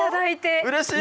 うれしい！